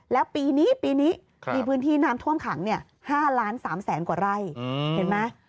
แล้วปีนี้ปีนี้มีพื้นที่น้ำท่วมขัง๕๓แสนกว่าไร่เห็นไหม